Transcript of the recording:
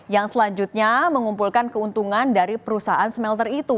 yang selanjutnya mengumpulkan keuntungan dari perusahaan smelter itu